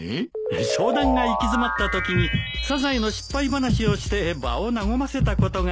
商談が行き詰まったときにサザエの失敗話をして場を和ませたことがありまして。